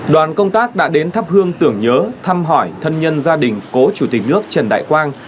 đoàn công tác đã đến thắp hương tưởng nhớ thăm hỏi thân nhân gia đình cố chủ tịch nước trần đại quang